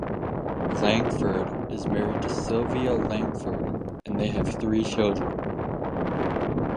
Langford is married to Sylvia Langford and they have three children.